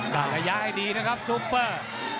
กระยายดีนะครับซุปเปอร์